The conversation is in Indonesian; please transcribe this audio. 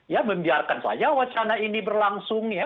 ya membiarkan saja wacana ini berlangsung ya